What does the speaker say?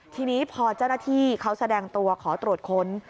ทีนี้พอเจ้าหน้าที่เขาแสดงตัวขอตรวจค้น